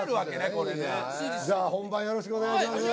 これねじゃあ本番よろしくお願いします